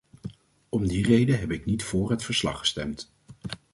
Om die reden heb ik niet voor het verslag gestemd.